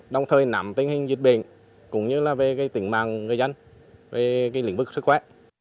đồng thời nắm tình hình dịch bệnh cũng như là về tỉnh mạng người dân về lĩnh vực sức khỏe